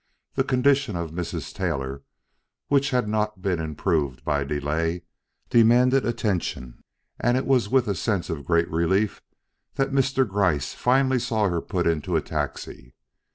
The condition of Mrs. Taylor, which had not been improved by delay, demanded attention, and it was with a sense of great relief that Mr. Gryce finally saw her put into a taxi.